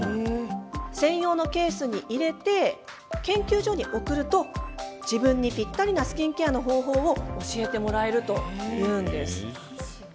専用のケースに入れて研究所に送ると自分にぴったりなスキンケアの方法を教えてもらえるというんです。